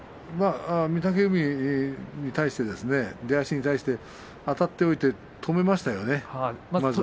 御嶽海に対してあたっておいて止めましたよね。